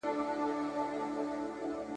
تاريخپوهان د ده رول ارزوي.